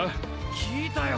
聞いたよ